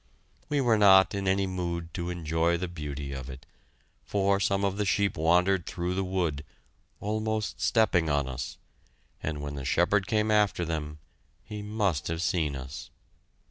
We were not in any mood to enjoy the beauty of it, for some of the sheep wandered through the wood, almost stepping on us, and when the shepherd came after them, he must have seen us.